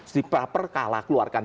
si praper kalah keluarkan